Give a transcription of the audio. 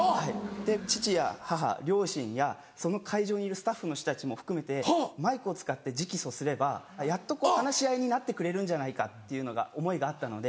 で父や母両親やその会場にいるスタッフの人たちも含めてマイクを使って直訴すればやっと話し合いになってくれるんじゃないかっていう思いがあったので。